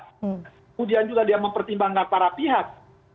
kemudian juga dia mempertimbangkan para pihak